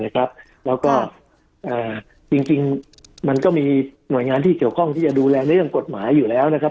แล้วก็จริงมันก็มีหน่วยงานที่เกี่ยวข้องที่จะดูแลในเรื่องกฎหมายอยู่แล้วนะครับ